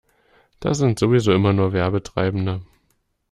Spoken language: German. Das sind sowieso immer nur Werbetreibende.